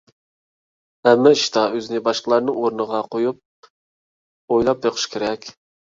ھەممە ئىشتا ئۆزىنى باشقىلارنىڭ ئورنىغا قويۇپ ئويلاپ بېقىش كېرەك.